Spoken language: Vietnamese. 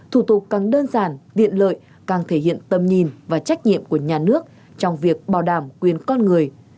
thủ tục càng đơn giản tiện lợi càng thể hiện tầm nhìn và trách nhiệm của nhà nước trong việc bảo đảm quyền con người